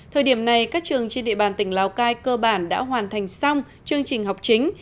thời điểm này các trường trên địa bàn tỉnh lào cai cơ bản đã hoàn thành xong chương trình học chính